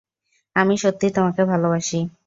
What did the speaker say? আমি সত্যি তোমাকে ভালবাসি।